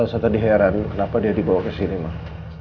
elsa tadi heran kenapa dia dibawa ke sini mak